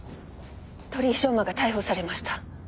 鳥居翔真が逮捕されました。